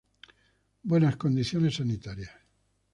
Buenas condiciones sanitarias.